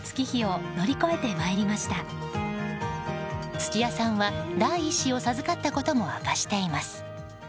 土屋さんは第１子を授かったことも明かしています。